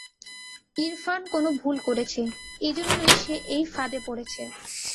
ইরফান কোন ভুল করেছে, এজন্যই সে এই ফাঁদে পড়েছে।